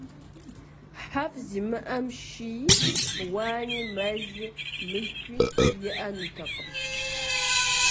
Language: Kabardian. ХьэфӀ зимыӀэм шыи, уани, мэли, мылъкуи иӀэнутэкъым.